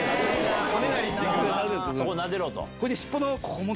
そこなでろ！と。